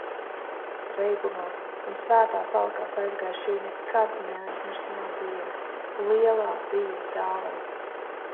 Reibumā un svētās alkās aizgāja šī nekad neaizmirstamā diena, lielā dzīves dāvana.